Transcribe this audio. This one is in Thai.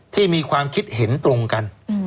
ที่มีความคิดเห็นตรงกัน